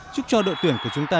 chúc cho đội tuyển của chúng ta